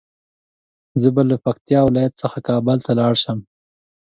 زه به له پکتيا ولايت څخه کابل ته لاړ شم